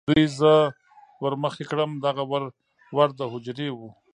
دوی زه ور مخې کړم، دغه ور د هوجرې و.